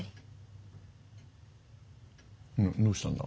どうしたんだ？